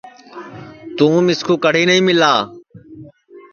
تُوں مِسکُو کڑھی نائی مِلا